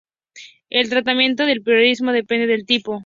El tratamiento del priapismo depende del tipo.